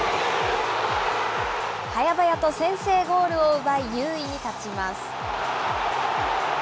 はやばやと先制ゴールを奪い、優位に立ちます。